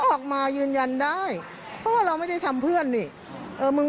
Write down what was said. ออกมายืนยันได้เพราะว่าเราไม่ได้ทำเพื่อนนี่เออมึง